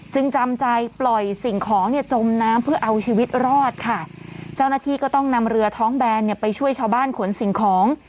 จำใจปล่อยสิ่งของเนี่ยจมน้ำเพื่อเอาชีวิตรอดค่ะเจ้าหน้าที่ก็ต้องนำเรือท้องแบนเนี่ยไปช่วยชาวบ้านขนสิ่งของ